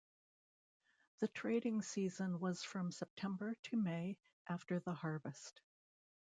The trading season was from September to May, after the harvest.